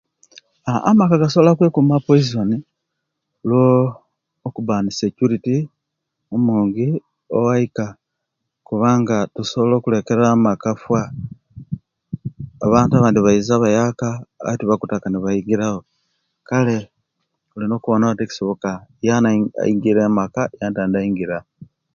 Aah amaka gasobola okwekuma poisoni lwoo okuba nesecurity omungi owaika kubanga tosobola okulekerera amaka fa abantu abandi baiza abayaka aye atibakutaka nibaizira wo kale olina kuwona ekisoboka Yani angire omaka yani tandi ayingira